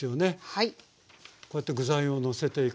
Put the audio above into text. はい。